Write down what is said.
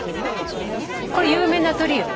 これ有名な鳥よ。